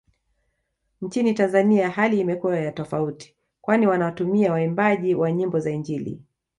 Nchini Tanzania hali imekuwa ya tofauti kwani wanawatumia waimbaji wa nyimbo za injili